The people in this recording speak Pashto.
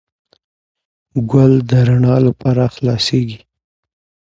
ګل د رڼا لپاره خلاصیږي.